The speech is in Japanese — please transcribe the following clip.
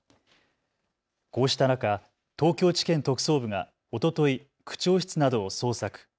こうした中、東京地検特捜部がおととい、区長室などを捜索。